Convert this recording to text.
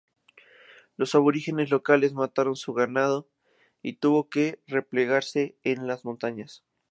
Los aborígenes locales mataron su ganado, y tuvo que replegarse a las montañas.